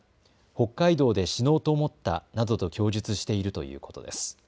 北海道で死のうと思ったなどと供述しているということです。